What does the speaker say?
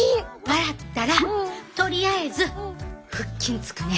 笑ったらとりあえず腹筋つくね。